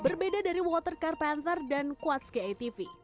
berbeda dari water car panther dan kuatski atv